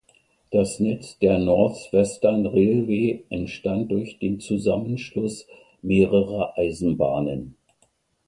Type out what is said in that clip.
Das Netz der North Western Railway entstand durch den Zusammenschluss mehrerer Eisenbahnen.